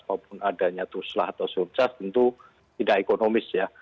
maupun adanya tuslah atau surcas tentu tidak ekonomis ya